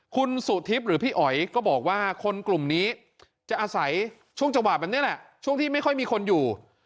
คุณสุทิพย์หรือพี่อ๋อยก็บอกว่าคนกลุ่มนี้จะอาศัยช่วงจังหวะแบบนี้แหละช่วงที่ไม่ค่อยมีคนอยู่